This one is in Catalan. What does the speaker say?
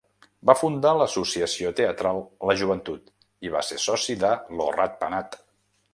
Va fundar l'associació teatral La Joventut i va ser soci de Lo Rat Penat.